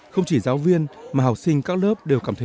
không chỉ giáo viên mà học sinh các lớp đều cảm thấy